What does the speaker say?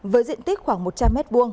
với diện tích khoảng một trăm linh m hai